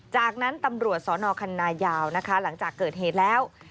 จากนั้นตำรวจสนคันนายาวนะคะหลังจากเกิดเหตุแล้ว